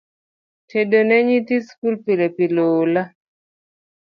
Tedo ne nyithi sikul pilepile oola